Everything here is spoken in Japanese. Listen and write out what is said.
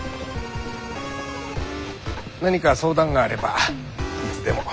何か相談があればいつでも。